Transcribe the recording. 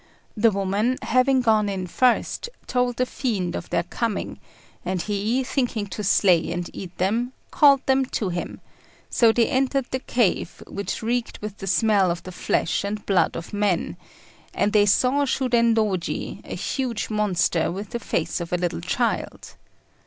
The woman, having gone in first, told the fiend of their coming; and he, thinking to slay and eat them, called them to him; so they entered the cave, which reeked with the smell of the flesh and blood of men, and they saw Shudendôji, a huge monster with the face of a little child.